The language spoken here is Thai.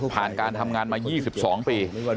ผ่านการทำงานมายี่สิบสองปี